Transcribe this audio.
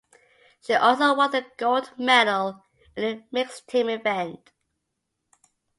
She also won the gold medal in the mixed team event.